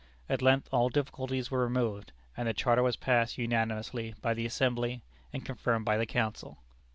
At length all difficulties were removed, and the charter was passed unanimously by the Assembly, and confirmed by the Council.